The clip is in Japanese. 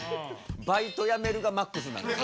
「バイトやめる」がマックスなんです。